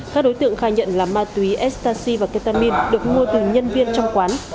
các đối tượng khai nhận là ma túy estaci và ketamin được mua từ nhân viên trong quán